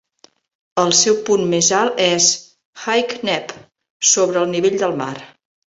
El seu punt més alt és High Neb sobre el nivell del mar.